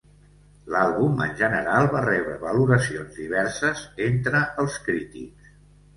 L'àlbum en general va rebre valoracions diverses entre els crítics.